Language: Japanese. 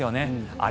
あれ？